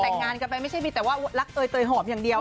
แต่งงานกันไปไม่ใช่มีแต่ว่ารักเตยเตยหอมอย่างเดียว